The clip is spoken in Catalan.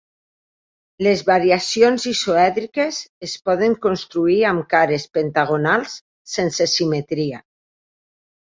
Les variacions isoèdriques es poden construir amb cares pentagonals sense simetria.